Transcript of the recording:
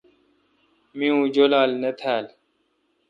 می اوں جولال نہ تھال۔